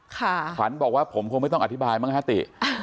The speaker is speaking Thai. ขวัญบอกว่าผมคงไม่ต้องอธิบายมั้งฮะติ